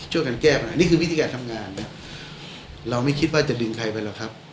ช่วยกันแก้ปัญหานี่คือวิธีการทำงานนะเราไม่คิดว่าจะดึงใครไปหรอกครับ